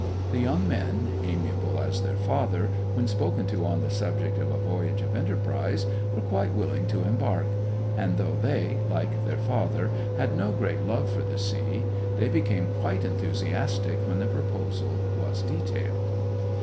The young men, amiable as their father, when spoken to on the subject of a voyage of enterprise, were quite willing to embark; and though they, like their father, had no great love for the sea, they became quite enthusiastic when the proposal was detailed.